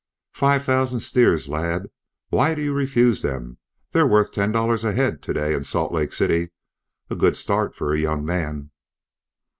"Five thousand steers, lad! Why do you refuse them? They're worth ten dollars a head to day in Salt Lake City. A good start for a young man."